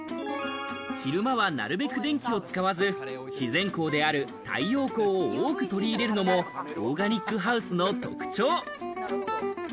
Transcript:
昼間は、なるべく電気を使わず自然光である太陽光を多く取り入れるのも、オーガニックハウスの特徴。